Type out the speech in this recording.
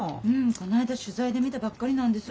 こないだ取材で見たばっかりなんです。